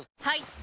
はい！